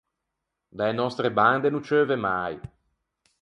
Da-e nòstre bande no ceuve mai.